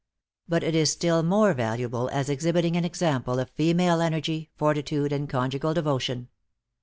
But it is still more valuable as exhibiting an example of female energy, fortitude, and conjugal devotion.